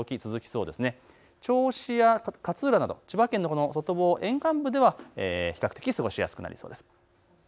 銚子や勝浦など千葉県の外房沿岸部では比較的過ごしやすくなります。